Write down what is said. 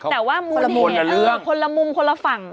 แต่ว่ามูลเหตุคนละมุมคนละฝั่ง